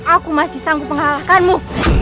aku masih sanggup mengalahkanmu